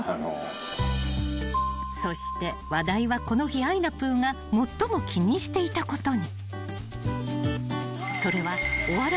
［そして話題はこの日あいなぷぅが最も気にしていたことに］